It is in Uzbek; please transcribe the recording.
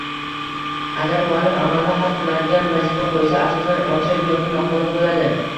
Agar muallif amalda hal qilinadigan vazifa qo`ysa, asosan, ocherk yoki maqola bo`ladi